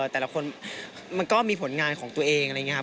แต่ละคนมันก็มีผลงานของตัวเองอะไรอย่างนี้ครับ